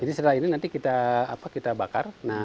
jadi setelah ini nanti kita bakar